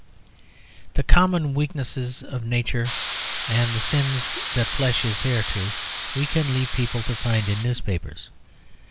The common weakness of Nature and the sins that flesh is heir to we can leave people to find in newspapers.